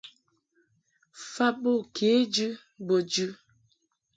Fa bo kejɨ bo jɨ.